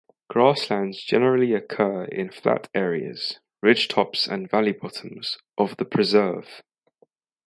Grasslands generally occur in flat areas (ridge tops and valley bottom) of the Preserve.